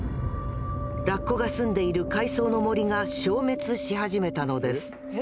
ラッコが住んでいる海藻の森が消滅し始めたのです。